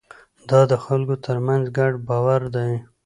دا د خلکو ترمنځ ګډ باور دی.